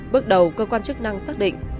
bước đầu cơ quan chức năng xác định